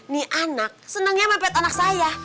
nih anak senengnya mempet anak saya